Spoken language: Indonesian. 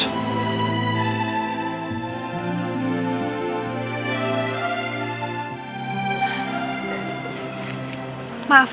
kepikiran kamu terus